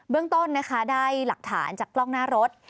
เรื่องต้นนะคะได้หลักฐานจากกล้องหน้ารถ